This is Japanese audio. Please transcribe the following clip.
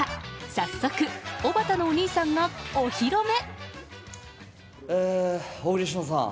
早速、おばたのお兄さんがお披露目。